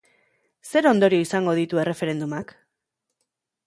Zer ondorio izango ditu erreferendumak?